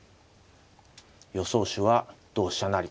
予想手は同飛車成と。